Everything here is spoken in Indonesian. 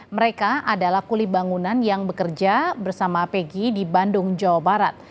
mereka adalah kulit bangunan yang bekerja bersama pegi di bandung jawa barat